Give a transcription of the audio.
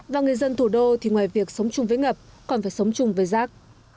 và người dân thủ đô thì ngoài việc sống chung với ngập còn phải sống chung với rác